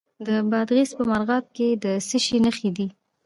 د بادغیس په مرغاب کې د څه شي نښې دي؟